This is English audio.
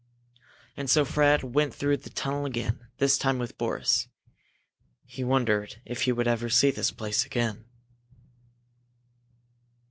And so Fred went through the tunnel again, this time with Boris. He wondered if he would ever see this place again.